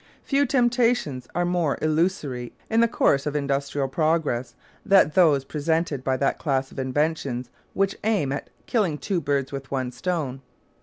Few temptations are more illusory in the course of industrial progress than those presented by that class of inventions which aim at "killing two birds with one stone".